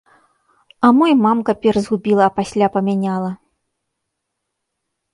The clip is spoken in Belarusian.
А мо і мамка перш згубіла, а пасля памяняла?